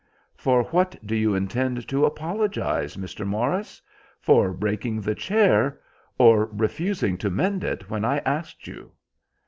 "For what do you intend to apologise, Mr. Morris? For breaking the chair, or refusing to mend it when I asked you?"